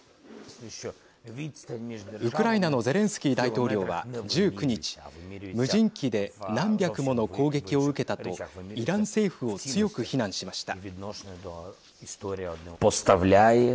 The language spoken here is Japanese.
ウクライナのゼレンスキー大統領は１９日無人機で何百もの攻撃を受けたとイラン政府を強く非難しました。